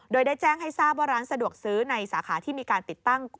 โดยได้แจ้งให้ทราบว่าร้านสะดวกซื้อในสาขาที่มีการติดตั้ง